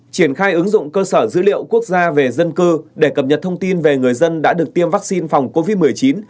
triển khai ứng dụng cơ sở dữ liệu quốc gia về dân cư để cập nhật thông tin về người dân đã được tiêm vaccine phòng covid một mươi chín